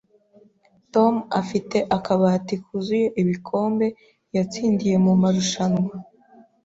Tom afite akabati kuzuye ibikombe yatsindiye mumarushanwa.